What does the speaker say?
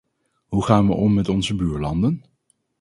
Hoe gaan we om met onze buurlanden?